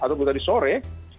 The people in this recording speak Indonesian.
ataupun tadi sore